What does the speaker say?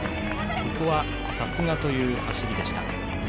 ここは、さすがという走りでした。